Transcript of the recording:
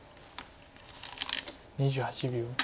２８秒。